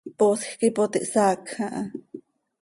Poosj quih ipot ihsaacj aha.